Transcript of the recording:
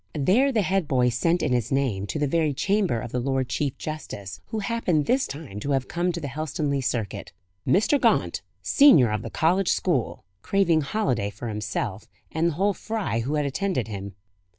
There the head boy sent in his name to the very chamber of the Lord Chief Justice, who happened this time to have come to the Helstonleigh circuit. "Mr. Gaunt, senior of the college school" craving holiday for himself, and the whole fry who had attended him.